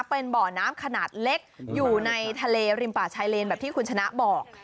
เป็นบ่อน้ำขนาดเล็กอยู่ในทะเลริมป่าชายเลนแบบที่คุณชนะบอก